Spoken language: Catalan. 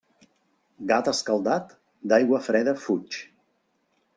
Gat escaldat d'aigua freda fuig.